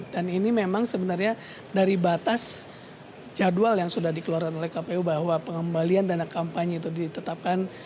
dan ini memang sebenarnya dari batas jadwal yang sudah dikeluarkan oleh kpu bahwa pengembalian dana kampanye itu ditetapkan